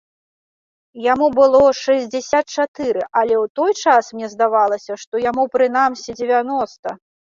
Яму было шэсцьдзесят чатыры, але ў той час мне здавалася, што яму прынамсі дзевяноста.